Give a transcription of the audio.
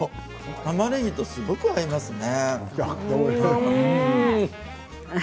たまねぎとすごく合いますね。